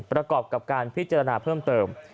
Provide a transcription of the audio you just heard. ประกอบกับการพิจารณาเพิ่มเติม